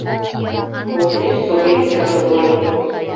Коштеш совет часовой!